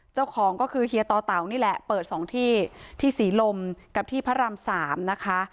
เจ้าของก็คือเฮียตอเต๋านี่แหละเปิด๒ที่ที่ศรีลมกับที่พระราม๓นะคะ